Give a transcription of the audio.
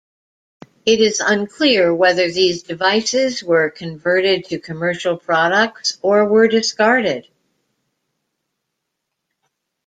It is unclear whether these devices were converted to commercial products or were discarded.